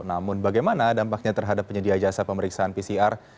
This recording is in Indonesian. namun bagaimana dampaknya terhadap penyedia jasa pemeriksaan pcr